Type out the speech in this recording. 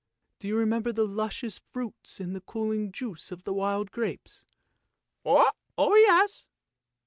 Do you remember the luscious fruits and the cooling juice of the wild grapes? "" Oh yes!